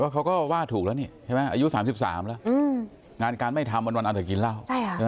เขาก็ว่าถูกแล้วนี่ใช่ไหมอายุ๓๓แล้วงานการไม่ทำวันเอาแต่กินเหล้า